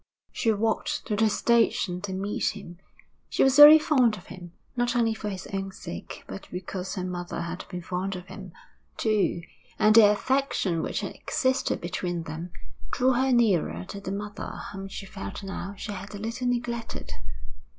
She walked to the station to meet him. She was very fond of him, not only for his own sake, but because her mother had been fond of him, too; and the affection which had existed between them, drew her nearer to the mother whom she felt now she had a little neglected.